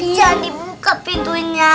jangan dibuka pintunya